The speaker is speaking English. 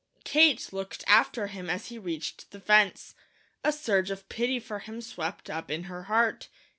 Kate looked after him as he reached the fence. A surge of pity for him swept up in her heart.